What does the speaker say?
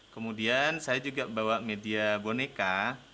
kemudian saya juga bawa media boneka